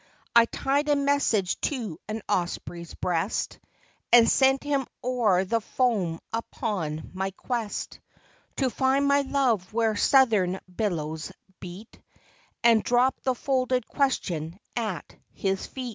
I tied a message to an osprey's breast, And sent him o'er the foam upon my quest, To find my love where southern billows beat, And drop the folded question at his feet.